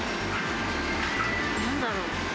なんだろう。